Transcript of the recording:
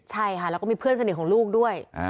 ใช่ค่ะแล้วก็มีเพื่อนสนิทของลูกด้วย